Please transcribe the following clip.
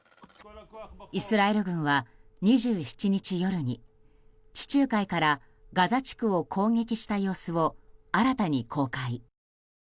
イスラエル軍は２７日夜に地中海からガザ地区を攻撃した様子を新たに公開。